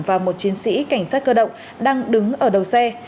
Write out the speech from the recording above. và một chiến sĩ cảnh sát cơ động đang đứng ở đầu xe